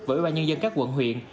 và ưu ba nhân dân các quận huyện